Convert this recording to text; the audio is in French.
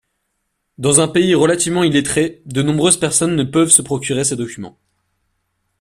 Dans un pays relativement illettré, de nombreuses personnes ne peuvent se procurer ces documents.